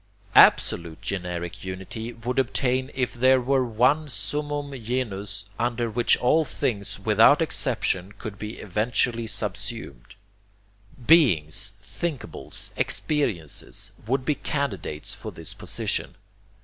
ABSOLUTE generic unity would obtain if there were one summum genus under which all things without exception could be eventually subsumed. 'Beings,' 'thinkables,' 'experiences,' would be candidates for this position.